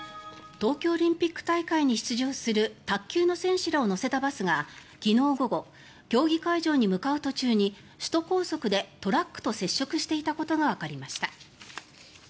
東京オリンピック大会に出場する卓球の選手らを乗せたバスが昨日午後競技会場に向かう途中に首都高速でトラックと接触していたことがわかりました。